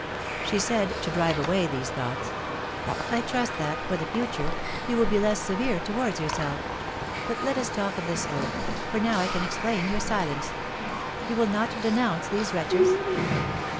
She said, to drive away these thoughts: "I trust that, for the future, you will be less severe towards yourself. But let us talk of this oath, for now I can explain your silence. You will not denounce these wretches?"